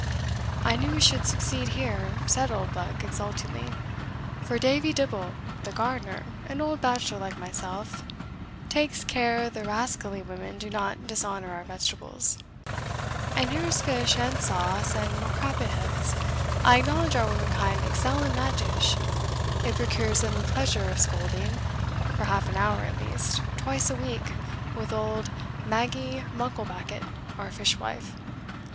"I knew we should succeed here," said Oldbuck exultingly, "for Davie Dibble, the gardener (an old bachelor like myself), takes care the rascally women do not dishonour our vegetables. And here is fish and sauce, and crappit heads I acknowledge our womankind excel in that dish it procures them the pleasure of scolding, for half an hour at least, twice a week, with auld Maggy Mucklebackit, our fish wife.